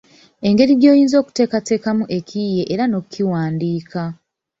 Engeri gy’oyinza okuteekateekamu ekiyiiye era n’okiwandiika.